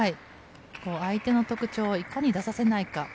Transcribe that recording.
相手の特徴をいかに出させないか。